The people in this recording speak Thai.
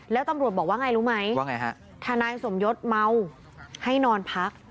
แล้วตำรวจบอกว่าไงรู้ไหมว่าไงฮะทนายสมยศเมาให้นอนพัก